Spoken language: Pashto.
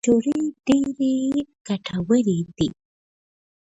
کجورې ډیرې ګټورې دي.